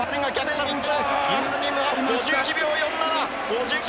５１秒４７！